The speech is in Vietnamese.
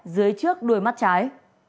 dưới trước đuôi mắt trái